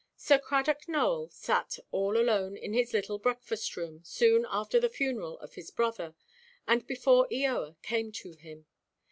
Sir Cradock Nowell sat all alone in his little breakfast–room, soon after the funeral of his brother, and before Eoa came to him.